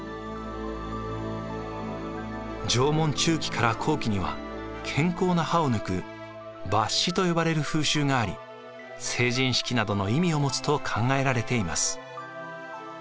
縄文中期から後期には健康な歯を抜く抜歯と呼ばれる風習があり成人式などの意味を持つと考えられています。